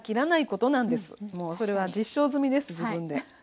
もうそれは実証済みです自分で。